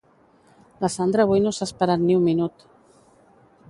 La Sandra avui no s'ha esperat ni un minut